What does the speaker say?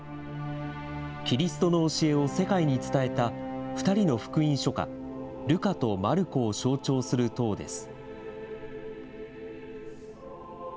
キリストの教えを世界に伝えた２人の福音書家、ルカとマルコを象徴する塔です。